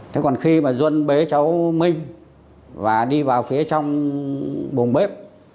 thế còn khi mà duân bế cháu minh và đi vào phía trong buồng bếp